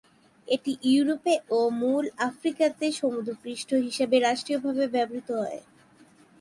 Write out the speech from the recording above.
এটি ইউরোপে ও মূল আফ্রিকাতে সমুদ্র পৃষ্ঠ হিসেবে রাষ্ট্রীয়ভাবে ব্যবহৃত হত।